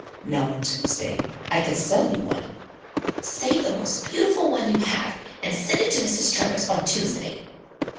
"Now on Tuesday I could sell you one." "Save the most beautiful one you have, and send it to Mrs. Trevor's on Tuesday."